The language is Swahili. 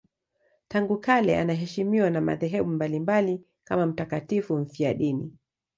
Tangu kale anaheshimiwa na madhehebu mbalimbali kama mtakatifu mfiadini.